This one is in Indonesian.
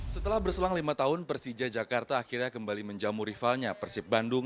setelah berselang lima tahun persija jakarta akhirnya kembali menjamu rivalnya persib bandung